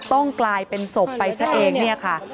ต้องกลายเป็นศพไปซะเองเนี่ยค่ะ